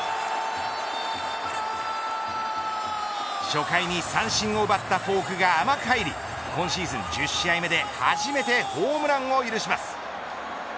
初回に三振を奪ったフォークが甘く入り今シーズン１０試合目で初めてホームランを許します。